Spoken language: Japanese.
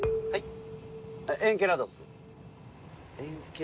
はい？